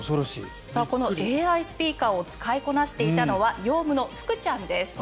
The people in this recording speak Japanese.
このＡＩスピーカーを使いこなしていたのはヨウムの福ちゃんです。